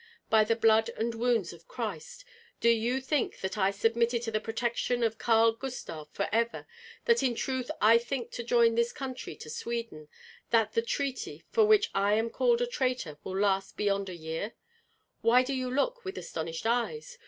By the blood and wounds of Christ! Did you think that I submitted to the protection of Karl Gustav forever, that in truth I think to join this country to Sweden, that the treaty, for which I am called a traitor, will last beyond a year? Why do you look with astonished eyes?